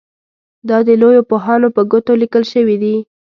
دا د لویو پوهانو په ګوتو لیکل شوي دي.